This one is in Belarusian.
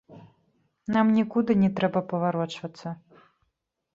Нам нікуды не трэба паварочвацца.